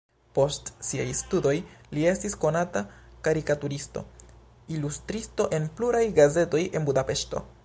Post siaj studoj li estis konata karikaturisto, ilustristo en pluraj gazetoj en Budapeŝto.